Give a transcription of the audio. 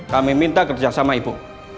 kami minta kerjasama ibu